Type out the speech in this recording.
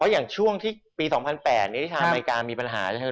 อย่างช่วงที่ปี๒๐๐๘ที่อเมริกามีปัญหา